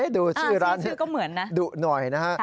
ดูชื่อร้านดูหน่อยนะฮะ